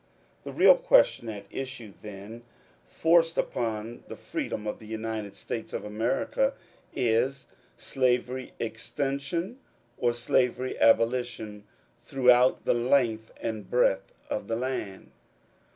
The real question at issue then — forced upon the freemen of the United States of America — is, ^^ slavery extension or slavery abolition throughout the length and breadth of the land."